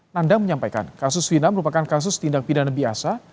nandang menyampaikan kasus wina merupakan kasus tindak pidana biasa